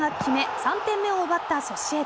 ３点目を奪ったソシエダ。